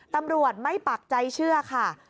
ตำรวจไม่ปักใจเชื่อค่ะ